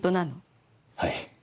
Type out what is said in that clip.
はい。